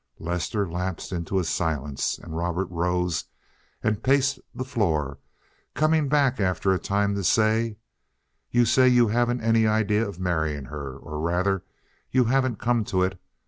Lester lapsed into a silence, and Robert rose and paced the floor, coming back after a time to say: "You say you haven't any idea of marrying her—or rather you haven't come to it.